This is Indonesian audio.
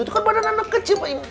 itu kan pada anak kecil